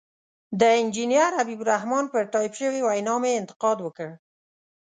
د انجنیر حبیب الرحمن پر ټایپ شوې وینا مې انتقاد وکړ.